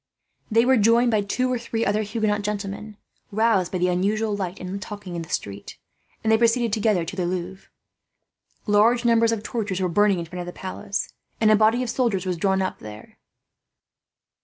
They were joined by two or three other Huguenot gentlemen, roused by the unusual light and talking in the street; and they proceeded together to the Louvre. Large numbers of torches were burning in front of the palace, and a body of soldiers was drawn up there.